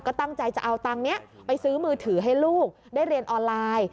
ก็ตั้งใจจะเอาตังค์นี้ไปซื้อมือถือให้ลูกได้เรียนออนไลน์